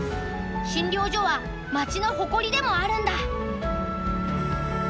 診療所は町の誇りでもあるんだ。